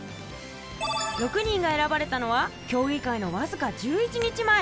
６人がえらばれたのは競技会のわずか１１日前。